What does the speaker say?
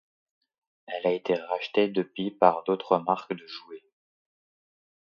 Elle a été rachetée depuis par d'autres marques de jouets.